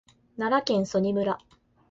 奈良県曽爾村